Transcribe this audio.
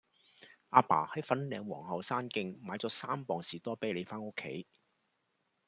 亞爸喺粉嶺皇后山徑買左三磅士多啤梨返屋企